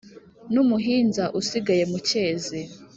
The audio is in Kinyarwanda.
n'umuhinza usigaye mu cyezi,